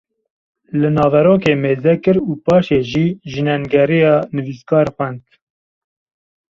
li naverokê mêzekir û paşê jî jînengeriya nivîskar xwend